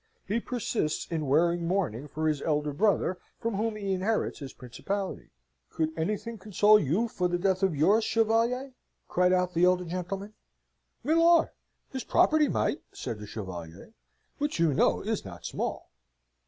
He persists in wearing mourning for his elder brother from whom he inherits his principality." "Could anything console you for the death of yours, Chevalier?" cried out the elder gentleman. "Milor! his property might," said the Chevalier, "which you know is not small."